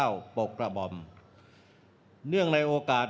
เวรบัติสุภิกษ์